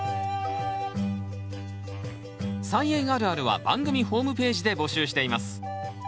「菜園あるある」は番組ホームページで募集しています。